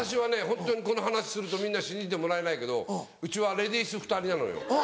ホントにこの話するとみんな信じてもらえないけどうちはレディース２人なのよ。